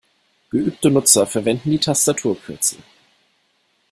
Geübte Nutzer verwenden die Tastaturkürzel.